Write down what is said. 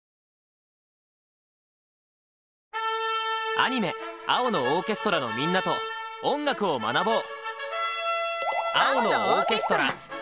アニメ「青のオーケストラ」のみんなと音楽を学ぼう！